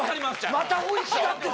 またおいしくなってる。